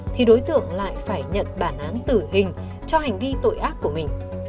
thì đối tượng lại phải nhận bản án tử hình cho hành vi tội ác của mình